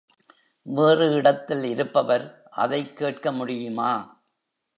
வேறு இடத்தில் இருப்பவர் அதைக் கேட்க முடியுமா?